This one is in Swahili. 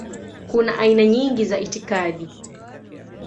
Kuna aina nyingi za itikadi.